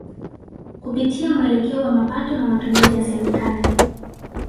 Kupitia muelekeo wa mapato na matumizi ya Serikali